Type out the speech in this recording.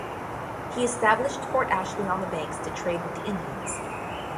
He established Fort Ashley on the banks to trade with the Indians.